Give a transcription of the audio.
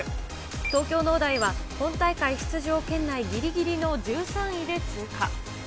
東京農大は本大会出場圏内ぎりぎりの１３位で通過。